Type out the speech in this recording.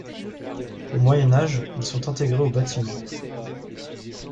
Au Moyen Âge, ils sont intégrés aux bâtiments.